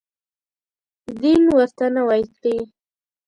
دین ورته نوی کړي.